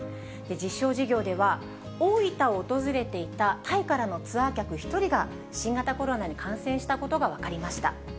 実証事業では、大分を訪れていたタイからのツアー客１人が、新型コロナに感染したことが分かりました。